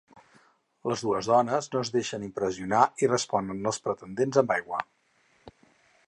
Les dues dones no es deixen impressionar i responen als pretendents amb aigua.